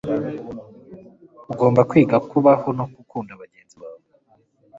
ugomba kwiga kubaho no gukundabagenzi bawe